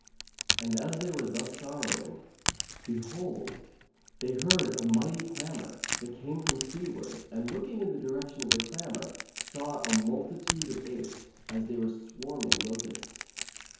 And as they were thus sorrowing behold, they heard a mighty clamour, that came from seaward and looking in the direction of the clamour saw a multitude of apes, as they were swarming locusts.